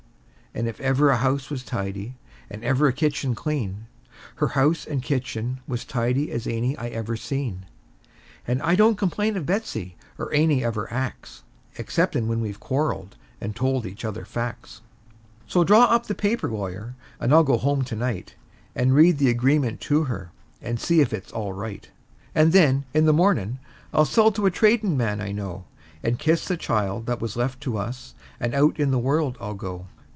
And if ever a house was tidy, and ever a kitchen clean, Her house and kitchen was tidy as any I ever seen; And I don't complain of Betsey, or any of her acts, Exceptin' when we've quarreled, and told each other facts. So draw up the paper, lawyer, and I'll go home to night, And read the agreement to her, and see if it's all right; And then, in the mornin', I'll sell to a tradin' man I know, And kiss the child that was left to us, and out in the world I'll go.